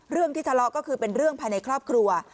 เรื่องที่ทะเลาะก็คือเป็นเรื่องภายในครอบครัว